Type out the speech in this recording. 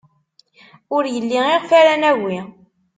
Ur yelli iɣef ara nagi.